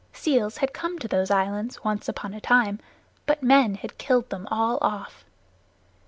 Seals had come to those islands once upon a time, but men had killed them all off.